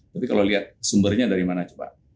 tapi kalau lihat sumbernya dari mana coba